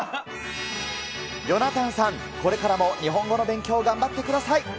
ヨナタンさん、これからも日本語の勉強頑張ってください。